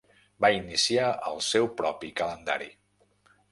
Va iniciar el seu propi calendari.